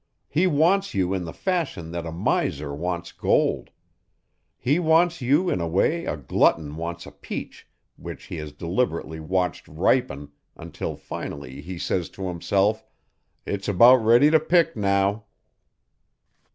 He wants you in the fashion that a miser wants gold. He wants you in the way a glutton wants a peach which he has deliberately watched ripen until finally he says to himself, 'It's about ready to pick now.'"